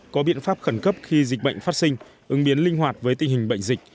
có biện pháp khẩn cấp khi dịch bệnh phát sinh ứng biến linh hoạt với tình hình bệnh dịch